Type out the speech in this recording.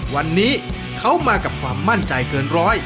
วันนี้เขามากับความมั่นใจเกินร้อย